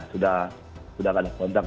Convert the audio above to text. sudah ada kontrak